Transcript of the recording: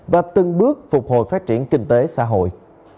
và từng bước phục hồi phát triển kinh tế xã hội